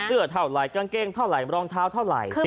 เสื้อเท่าไหรกางเกงเท่าไหร่รองเท้าเท่าไหร่